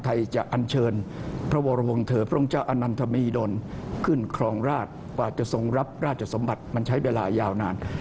ท่านพระบโรงวงฏพระร่องเจ้าอันดันธรรมีดนทร์ขึ้นครองราชบาจเมื่อกลายจับราชสมมติเวลายาวนาน